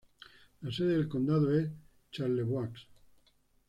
La sede del condado es Charlevoix.